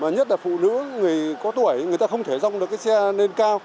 nhất là phụ nữ có tuổi người ta không thể dòng được cái xe lên cao